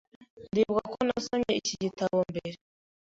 Ndibuka ko nasomye iki gitabo mbere.